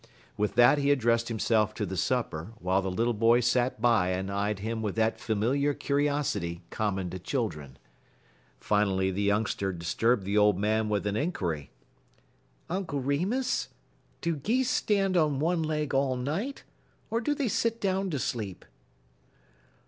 With that he addressed himself to the supper, while the little boy sat by and eyed him with that familiar curiosity common to children. Finally the youngster disturbed the old man with an inquiry: "Uncle Remus, do geese stand on one leg all night, or do they sit down to sleep?"